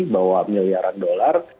bahwa miliaran dollar